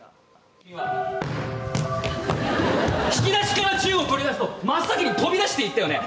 引き出しから銃を取り出すと真っ先に飛び出していったよね？